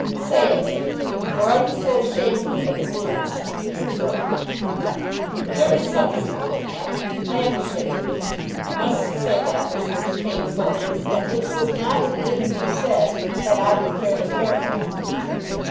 "Say it then. Or are you so ashamed of it, that the words stick in your throat?" "There is some truth in that. I am ashamed of it. I must say that which will be painful, and which would not have been to be said, had I been fairly careful."